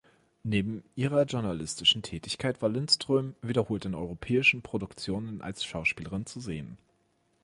Neben ihrer journalistischen Tätigkeit war Lindström wiederholt in europäischen Produktionen als Schauspielerin zu sehen.